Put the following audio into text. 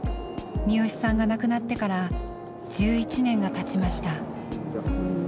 視良さんが亡くなってから１１年がたちました。